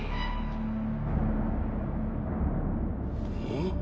ん？